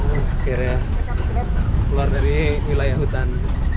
akhirnya keluar dari wilayah hutan